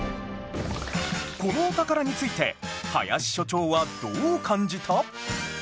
このお宝について林所長はどう感じた？